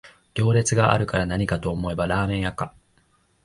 行列があるからなにかと思えばラーメン屋か